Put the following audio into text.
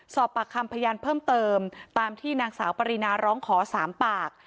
สอบปากคำพยานเพิ่มเติมตามที่นางสาวปรินาร้องขอ๓ปาก